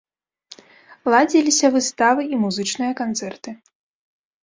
Ладзіліся выставы і музычныя канцэрты.